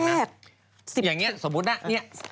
อย่างเนี้ยสมมติเนี้ย